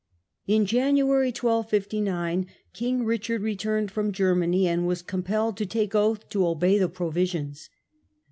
In January, 1259, King Richard returned from Ger many, and was compelled to take oath to obey the Pro visions.